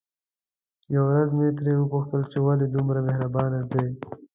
يوه ورځ مې ترې وپوښتل چې ولې دومره مهربانه دي؟